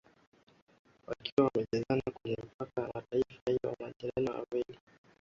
wakiwa wamejazana kwenye mpaka wa mataifa hayo mawili jirani